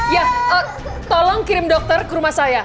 ya tolong kirim dokter ke rumah saya